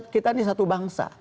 kita ini satu bangsa